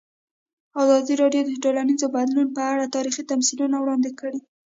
ازادي راډیو د ټولنیز بدلون په اړه تاریخي تمثیلونه وړاندې کړي.